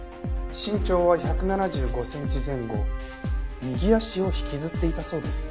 身長は１７５センチ前後右足を引きずっていたそうです。